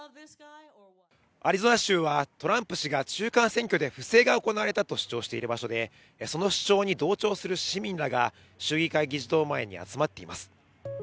アリゾナ州はトランプ氏が中間選挙で不正が行われたと主張している場所で、その主張に同調する市民らが州議会議事堂前に集まっています。